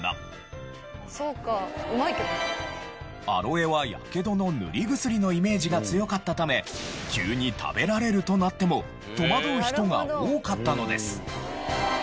アロエは火傷の塗り薬のイメージが強かったため急に食べられるとなっても戸惑う人が多かったのです。